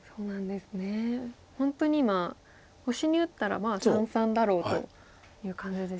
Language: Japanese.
本当に今星に打ったらまあ三々だろうという感じですよね。